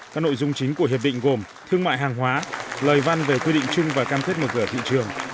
các nội dung chính của hiệp định gồm thương mại hàng hóa lời văn về quy định chung và cam thuyết mực ở thị trường